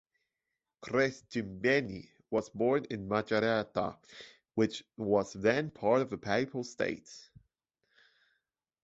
Crescimbeni was born in Macerata, which was then part of the Papal States.